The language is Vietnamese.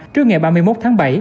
trước ngày ba mươi một tháng bảy